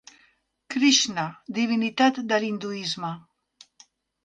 Krixna, divinitat de l'hinduisme.